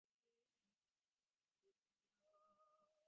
ބޮނޑެއް ހައި އޭނާ ކަމަށް ފަރިތަވެފައި ބިރުކުޑަ